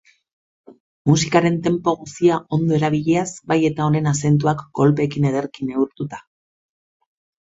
Musikaren tempo guztia ondo erabiliaz, bai eta honen azentuak kolpeekin edeki neurtuta.